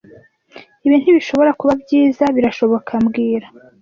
Ibi ntibishobora kuba byiza, birashoboka mbwira